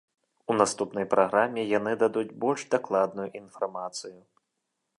У наступнай праграме яны дадуць больш дакладную інфармацыю.